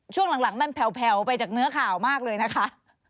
ช่วงหลังมันแผลวไปจากเนื้อข่าวมากเลยนะคะ